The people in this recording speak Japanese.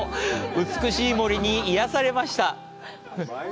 美しい森に癒やされました。